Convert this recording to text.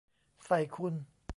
ใส่คุณ